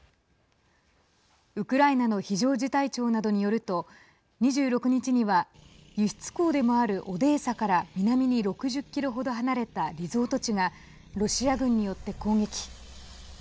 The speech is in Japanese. ウクライナの非常事態庁などによると２６日には輸出港でもあるオデーサから南に６０キロほど離れたリゾート地がロシア軍によって攻撃。